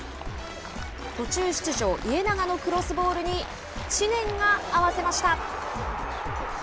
途中出場、家長のクロスボールに知念が合わせました。